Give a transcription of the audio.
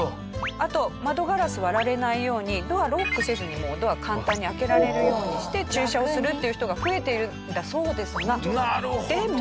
あと窓ガラス割られないようにドアロックせずにドア簡単に開けられるようにして駐車をするっていう人が増えているんだそうですがでも。